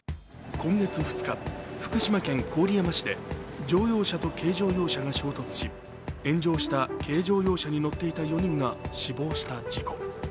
今月２日、福島県郡山市で乗用車と軽乗用車が衝突し炎上した軽乗用車に乗っていた４人が死亡した事故。